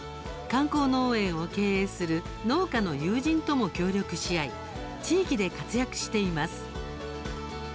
観光農園を経営する農家の友人とも協力し合い地域で活躍しています。